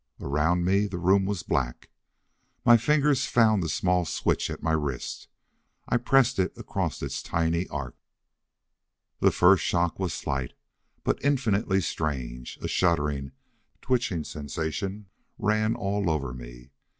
Around me the room was black. My fingers found the small switch at my wrist. I pressed it across its tiny arc. The first shock was slight, but infinitely strange. A shuddering, twitching sensation ran all over me.